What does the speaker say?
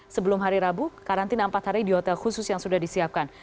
sebelum hari rabu karantina empat hari di hotel khusus yang sudah disiapkan